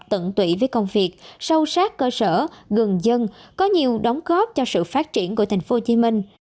tận tụy với công việc sâu sát cơ sở gần dân có nhiều đóng góp cho sự phát triển của tp hcm